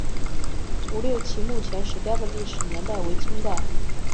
吴六奇墓前石雕的历史年代为清代。